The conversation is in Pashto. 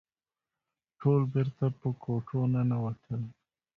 ټول بېرته په کوټو ننوتل.